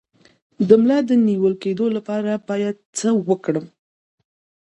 د ملا د نیول کیدو لپاره باید څه وکړم؟